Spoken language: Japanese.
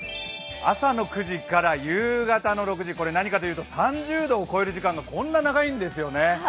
朝の９時から夕方の６時何かというと３０度を超える時間がこんなに長いんですよね。